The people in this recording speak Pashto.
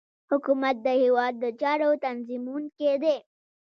حکومت د هیواد د چارو تنظیمونکی دی